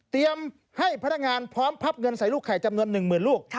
เตรียมให้พนักงานพร้อมพับเงินใส่ลูกไข่จำนวนหนึ่งหมื่นลูก